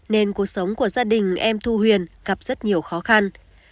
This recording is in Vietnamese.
nên cuộc sống của gia đình em thu huyền gặp rất nhiều khó khăn